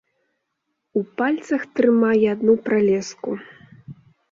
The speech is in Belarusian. У пальцах трымае адну пралеску.